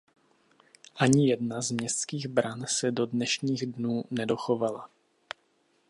Ani jedna z městských bran se do dnešních dnů nedochovala.